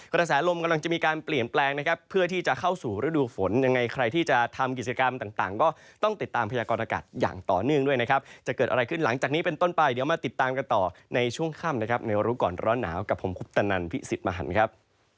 กระแสลมกำลังจะมีการเปลี่ยนแปลงนะครับเพื่อที่จะเข้าสู่ฤดูฝนยังไงใครที่จะทำกิจกรรมต่างก็ต้องติดตามพยากรอากาศอย่างต่อเนื่องด้วยนะครับจะเกิดอะไรขึ้นหลังจากนี้เป็นต้นไปเดี๋ยวมาติดตามกันต่อในช่วงค่ำนะครับในรู้ก่อนร้อนหนาวกับผมคุปตนันพิสิทธิ์มหันครับ